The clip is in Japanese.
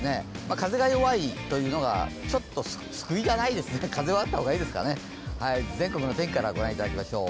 風が弱いというのがちょっと救いではないですね、風はあった方がいいですかね、全国の天気からご覧いただきましょう。